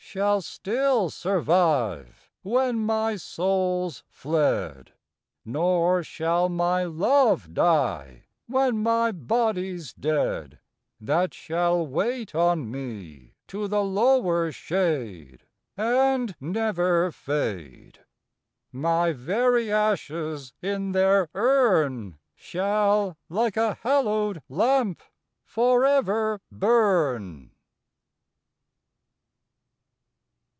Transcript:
Shall still survive Wlien my soul's fled ; Nor shall my love die, when ray Ijody's dead ; That shall wait on me to the lower shade, And never fade : My very ashes in their urn Shall, like a hallowed lamp, for ever burn.